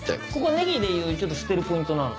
ネギでいう捨てるポイント？